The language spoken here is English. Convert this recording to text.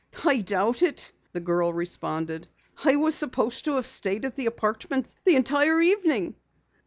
"I doubt it," the girl responded. "I was supposed to have stayed at the apartment the entire evening."